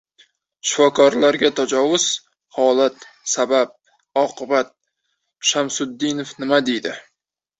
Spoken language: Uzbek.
Shifokorlarga tajovuz: holat, sabab, oqibat... Shamsutdinov nima deydi?